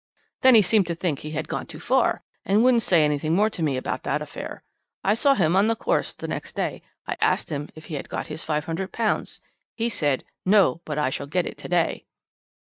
"'Then he seemed to think he had gone too far, and wouldn't say anything more to me about that affair. I saw him on the course the next day. I asked him if he had got his £500. He said: "No, but I shall get it to day."'